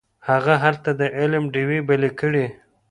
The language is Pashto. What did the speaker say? هغه هلته د علم ډیوې بلې کړې.